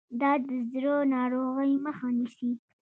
دا د زړه ناروغۍ مخه نیسي.